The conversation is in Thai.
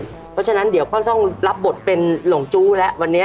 เพราะฉะนั้นเดี๋ยวก็ต้องรับบทเป็นหลงจู้แล้ววันนี้